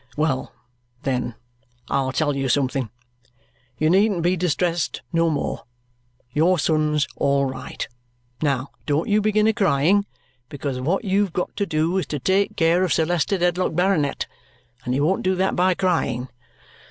Well, then, I'll tell you something. You needn't be distressed no more. Your son's all right. Now, don't you begin a crying, because what you've got to do is to take care of Sir Leicester Dedlock, Baronet, and you won't do that by crying.